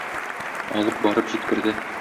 Алып барып җиткерде.